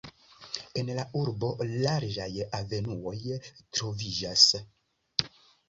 En la urbo larĝaj avenuoj troviĝas.